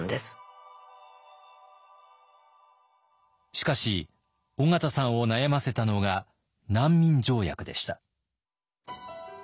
しかし緒方さんを悩ませたのが難民条約でした。